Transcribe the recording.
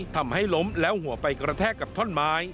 ทำให้ล้มแล้วหัวไปกระแทกกับท่อนไม้